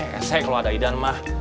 kesek kalau ada idan mah